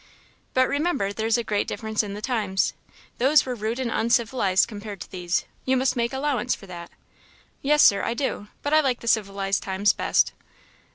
"But remember there is a great difference in the times; those were rude and uncivilized compared to these; you must make allowance for that." "Yes, Sir, I do; but I like the civilized times best."